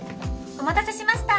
お待たせしました。